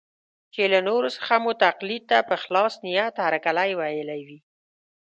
چې له نورو څخه مو تقلید ته په خلاص نیت هرکلی ویلی وي.